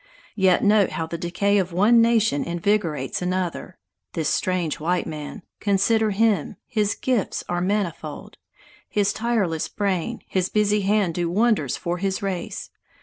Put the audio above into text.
"Yet note how the decay of one nation invigorates another. This strange white man consider him, his gifts are manifold! His tireless brain, his busy hand do wonders for his race.